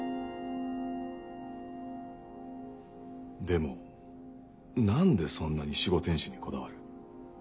でも何でそんなに守護天使にこだわる？